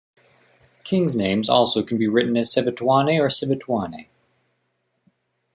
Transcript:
King's names also can be written as Sebitwane or Sibutuane.